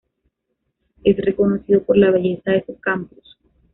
Es reconocido por la belleza de su campus.